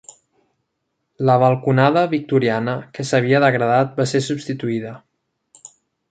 La balconada victoriana que s'havia degradat va ser substituïda.